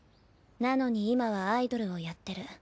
なのに今はアイドルをやってる。